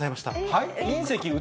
はい？